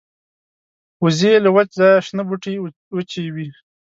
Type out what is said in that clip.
وزې له وچ ځایه شنه بوټي وچيبي